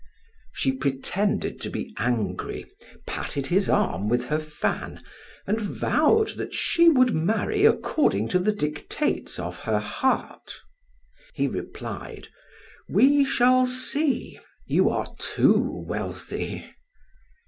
She pretended to be angry, patted his arm with her fan, and vowed that she would marry according to the dictates of her heart. He replied: "We shall see; you are too wealthy."